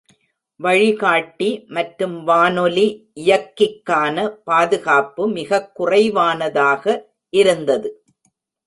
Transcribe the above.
வழிகாட்டி மற்றும் வானொலி இயக்கிக்கான பாதுகாப்பு மிகக் குறைவானதாக இருந்தது.